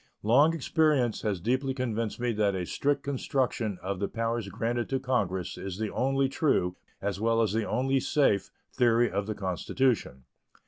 Long experience has deeply convinced me that a strict construction of the powers granted to Congress is the only true, as well as the only safe, theory of the Constitution.